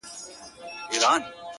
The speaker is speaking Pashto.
• هر دولت او هر قوت لره آفت سته -